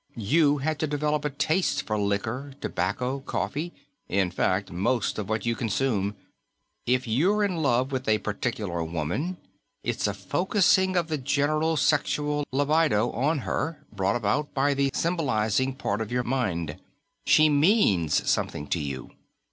You had to develop a taste for liquor, tobacco, coffee in fact most of what you consume. If you're in love with a particular woman, it's a focusing of the general sexual libido on her, brought about by the symbolizing part of your mind: she means something to you.